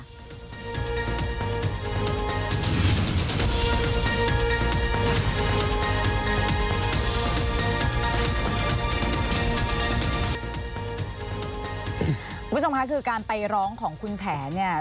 คุณผู้ชมค่ะคือการไปร้องของคุณแผนเนี่ย